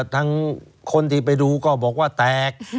ทั้งคนที่ไปดูก็บอกว่าแตก